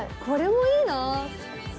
これもいいなぁ。